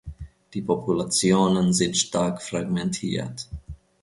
Die Populationen sind stark fragmentiert.